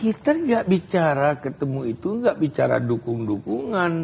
kita gak bicara ketemu itu gak bicara dukung dukungan